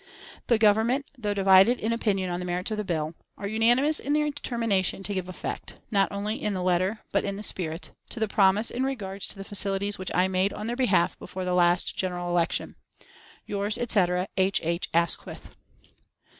The Government, though divided in opinion on the merits of the bill, are unanimous in their determination to give effect, not only in the letter but in the spirit, to the promise in regard to facilities which I made on their behalf before the last general election. Yours etc., H. H. ASQUITH.